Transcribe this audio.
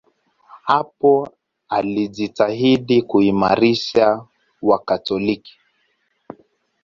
Hapo alijitahidi kuimarisha Wakatoliki.